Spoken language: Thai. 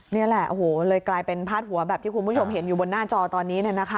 นี่แหละโอ้โหเลยกลายเป็นพาดหัวแบบที่คุณผู้ชมเห็นอยู่บนหน้าจอตอนนี้